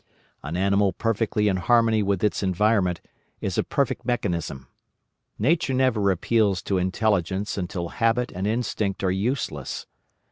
An animal perfectly in harmony with its environment is a perfect mechanism. Nature never appeals to intelligence until habit and instinct are useless.